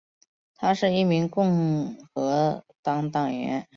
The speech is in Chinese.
她是一名共和党党员。